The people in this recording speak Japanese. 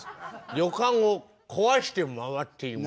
「旅館を壊して回っています」。